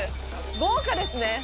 豪華です